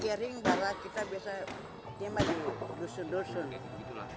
kalau kering kita bisa simpan di gusun gusun